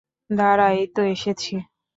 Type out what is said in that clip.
দাঁড়া, এইতো এসেছি।